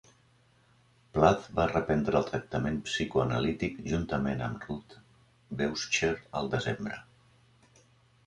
Plath va reprendre el tractament psicoanalític juntament amb Ruth Beuscher al desembre.